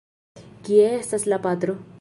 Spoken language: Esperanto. Kie estas la patro?